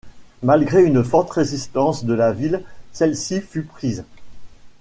Malgré une forte résistance de la ville celle-ci fut prise.